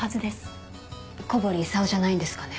小堀功じゃないんですかね。